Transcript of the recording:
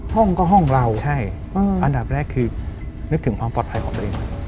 ห้องก็ห้องเราใช่อันดับแรกคือนึกถึงความปลอดภัยของตัวเองก่อน